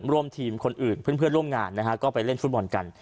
ร่วมทีมคนอื่นเพื่อนร่วมงานนะฮะก็ไปเล่นฟุตบอลกัน